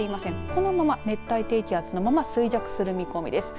このまま熱帯低気圧のまま衰弱する見込みです。